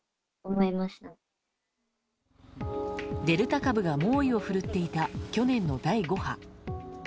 デルタ株が猛威を振るっていた去年の第５波。